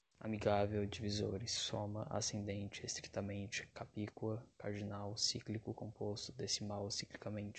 amigável, divisores, soma, ascendente, estritamente, capicua, cardinal, cíclico, composto, decimal, ciclicamente